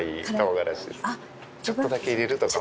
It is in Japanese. ちょっとだけ入れるとかも。